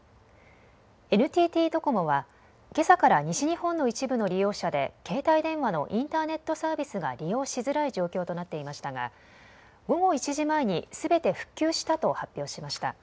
ＮＴＴドコモはけさから西日本の一部の利用者で携帯電話のインターネットサービスが利用しづらい状況となっていましたが午後１時前にすべて復旧したと発表しました。